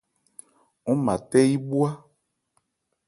Ɔ́n mâ tɛ́ yí bhwá.